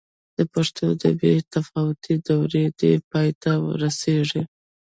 د پښتو د بې تفاوتۍ دوره دې پای ته رسېږي.